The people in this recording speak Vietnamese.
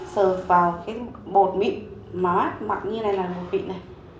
sờ vào cái bột mịn mát mặn như thế này là bột mịn này